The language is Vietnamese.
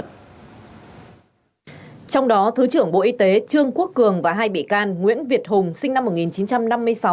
trong đó thứ trưởng bộ y tế trương quốc cường và hai bị can nguyễn việt hùng sinh năm một nghìn chín trăm năm mươi sáu